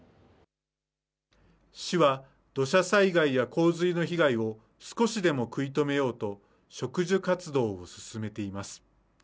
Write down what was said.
市は土砂災害や洪水の被害を少しでも食い止めようと、植樹活動を進めています。